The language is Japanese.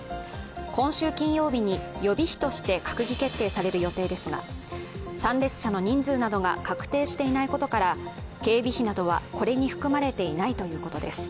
今週金曜日に予備費として閣議決定される予定ですが、参列者の人数などが確定していないことから警備費などはこれに含まれていないということです。